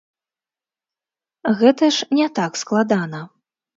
Гэта ж не так складана.